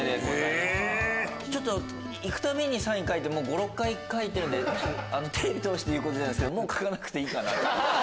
行くたびにサイン書いて５６回書いてるんでテレビで言うことじゃないけどもう書かなくていいかなと。